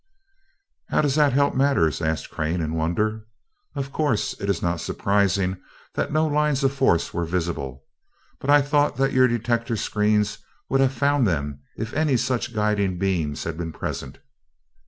"How does that help matters?" asked Crane in wonder. "Of course it is not surprising that no lines of force were visible, but I thought that your detectors screens would have found them if any such guiding beams had been present."